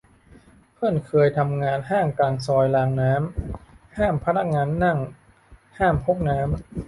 เพื่อนเคยทำงานห้างกลางซอยรางน้ำ ห้ามพนักงานนั่ง ห้ามพกน้ำ